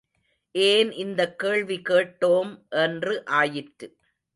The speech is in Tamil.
ஏன் இந்தக் கேள்வி கேட்டோம் என்று ஆயிற்று.